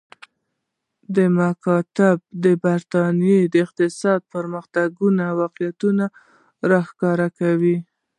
دا مکاتبه د برېټانیا د اقتصادي پرمختګونو واقعیتونه روښانه کوي